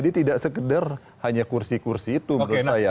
jadi tidak sekedar hanya kursi kursi itu menurut saya